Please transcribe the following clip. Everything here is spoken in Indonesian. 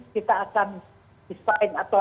kita akan desain atau